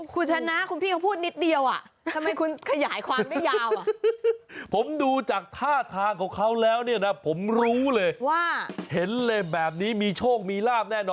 คือเขาพูดแค่ว่าถูกมาสองงวด